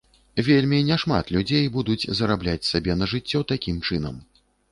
Вельмі няшмат людзей будуць зарабляць сабе на жыццё такім чынам.